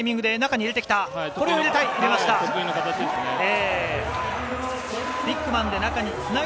これは入れたい。